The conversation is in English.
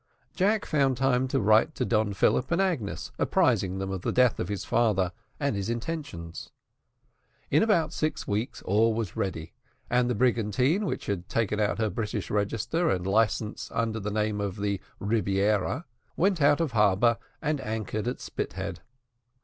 Jack found time to write to Don Philip and Agnes, apprising them of the death of his father, and his intentions. In about six weeks all was ready, and the brigantine, which had taken out her British register and licence under the name of the Rebiera, went out of harbour, and anchored at Spithead.